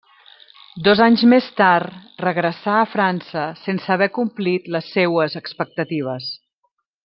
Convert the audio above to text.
Dos anys més tard regressà a França sense haver complit les seues expectatives.